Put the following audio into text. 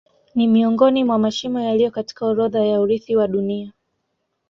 Ni miongoni mwa mashimo yaliyo katika orodha ya urithi wa Dunia.